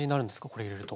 これ入れると。